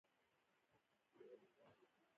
دغه لیکونه د جنودالربانیه ډېر اسرار لرل.